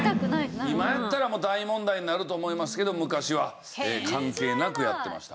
今やったら大問題になると思いますけど昔は関係なくやってました。